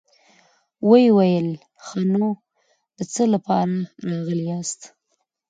ويې ويل: ښه نو، د څه له پاره راغلي ياست؟